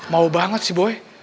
mau banget sih boy